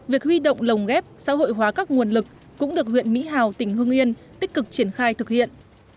việc huy động lồng ghép xã hội hóa các nguồn lực cũng được huyện mỹ hào tỉnh hương yên tích cực triển khai thực hiện